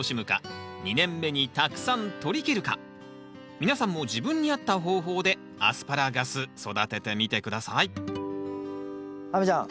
皆さんも自分に合った方法でアスパラガス育ててみて下さい亜美ちゃん